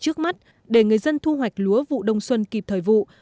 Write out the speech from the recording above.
trước mắt để người dân thu hoạch lúa vụ đông xuân kịp thời vụ